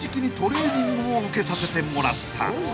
［受けさせてもらった］